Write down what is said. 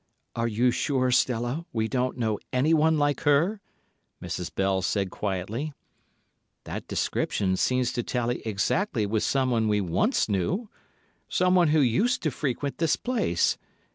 "Are you sure, Stella, we don't know anyone like her?" Mrs. Bell said quietly. "That description seems to tally exactly with someone we once knew. Someone who used to frequent this place.